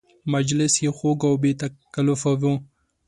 مجلس یې خوږ او بې تکلفه و.